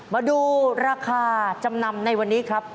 มาดูราคาจำนำในวันนี้ครับ